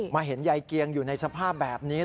เห็นยายเกียงอยู่ในสภาพแบบนี้